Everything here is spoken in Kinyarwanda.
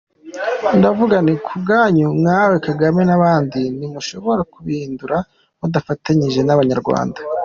Ndavuga nti kubwanyu, nkawe Kagame n’abandi ntimushobora kubihindura mudafatanyije n’Abanyarwanda.